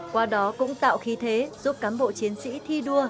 qua đó cũng tạo khí thế giúp cán bộ chiến sĩ thi đua